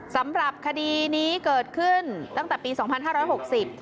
สำหรับคดีนี้เกิดขึ้นตั้งแต่ปีสองพันห้าร้อยหกสิบ